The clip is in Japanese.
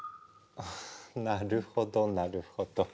なるほどなるほど。